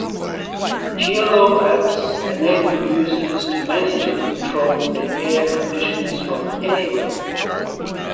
Cielo apps enable users to manage and control their air conditioners from anywhere.